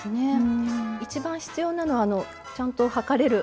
一番必要なのはちゃんと量れる。